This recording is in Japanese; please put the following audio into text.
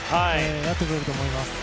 やってくれると思います。